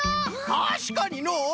たしかにのう！